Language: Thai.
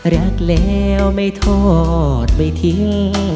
รักแล้วไม่ทอดไม่ทิ้ง